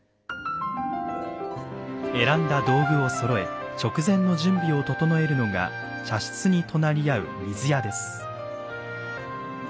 選んだ道具をそろえ直前の準備を整えるのが茶室に隣り合う水屋です。